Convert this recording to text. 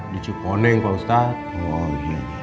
dici koneng pak ustadz